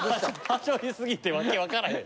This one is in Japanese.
端折りすぎて訳分からへん。